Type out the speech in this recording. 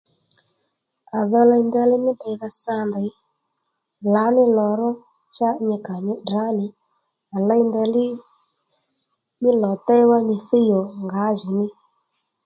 À dho ley ndeyli mí deydha sa ndèy lǎní lò ró cha nyi kà nyi tdrǎ nì à ley ndeyli mí lò déy wá nyi thíy ò ngǎjìní